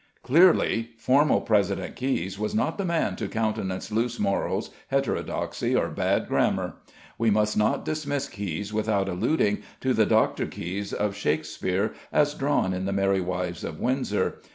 Clearly formal President Caius was not the man to countenance loose morals, heterodoxy, or bad grammar. We must not dismiss Caius without alluding to the Dr. Caius of Shakspeare, as drawn in the "Merry Wives of Windsor."